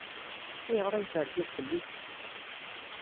Ayɣer ay terfiḍ fell-i?